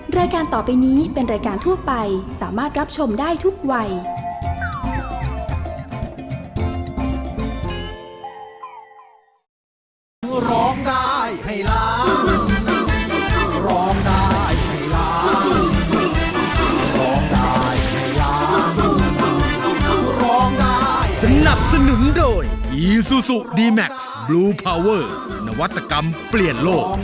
รายการต่อไปนี้เป็นรายการทั่วไปสามารถรับชมได้ทุกวัย